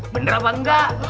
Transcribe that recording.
bener apa nggak